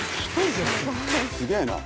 すげえな！